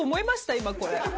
今、これ。